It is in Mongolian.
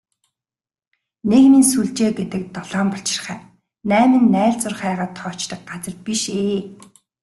Нийгмийн сүлжээ гэдэг долоон булчирхай, найман найлзуурхайгаа тоочдог газар биш ээ.